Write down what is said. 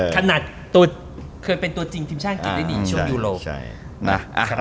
ขนาดเคยเป็นตัวจริงทีมชาติอังกฤษได้ดีช่วงยูโรป